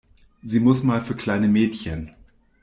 Sie muss mal für kleine Mädchen.